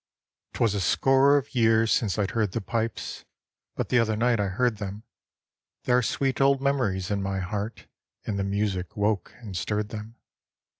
'Twas a score of years since I'd heard the pipes, But the other night I heard them; There are sweet old memories in my heart, And the music woke and stirred them.